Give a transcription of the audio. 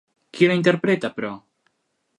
Qui la interpreta, però?